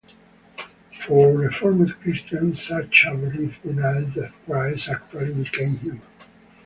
For Reformed Christians, such a belief denies that Christ actually became human.